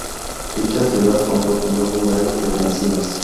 Dicha ciudad contó con dos murallas defensivas.